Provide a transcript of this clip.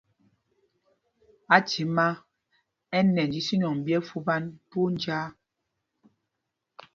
Athimá ɛ nɛnj isínɔŋ ɓyɛ́ fupan twóó njāā.